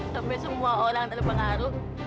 sampai semua orang terpengaruh